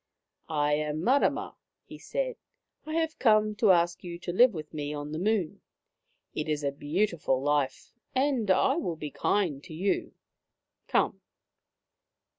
I " I am Mamma," he said. " I have come to ask you to live with me on the Moon. It is a beautiful life, and I will be kind to you. Come